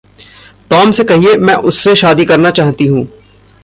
Tom से कहिए मैं उससे शादी करना चाहती हूँ।